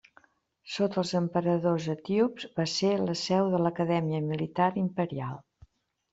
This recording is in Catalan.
Sota els emperadors etíops va ser la seu de l'Acadèmia Militar imperial.